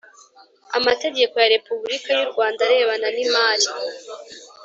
Amategeko ya repubulika y u Rwanda arebana nimari